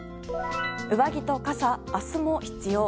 上着と傘、明日も必要。